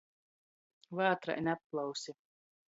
Vātraini aplausi.